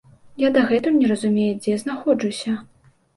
Я дагэтуль не разумею, дзе знаходжуся.